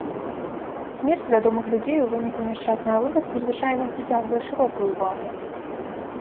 Смерць вядомых людзей у выніку няшчаснага выпадку звычайна прыцягвае шырокую ўвагу.